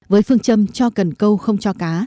với phương châm cho cần câu không cho cá